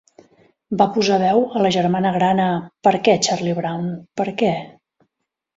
Va posar veu a la germana gran a Per què, Charlie Brown, per què?.